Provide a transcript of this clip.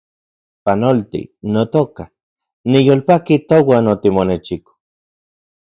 Panolti, notoka , niyolpaki touan otimonechiko